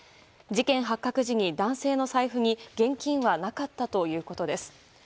事件発覚時に男性の財布に現金はなかったということです。